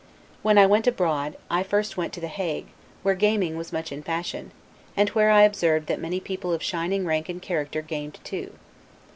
When I went abroad, I first went to The Hague, where gaming was much in fashion, and where I observed that many people of shining rank and character gamed too.